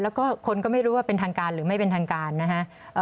แล้วก็คนก็ไม่รู้ว่าเป็นทางการหรือไม่เป็นทางการนะฮะ